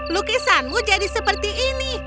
lukisanmu jadi seperti ini